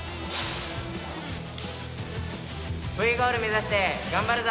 Ｖゴール目指して頑張るぞ。